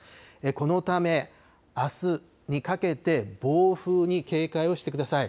このため、あすにかけて暴風に警戒をしてください。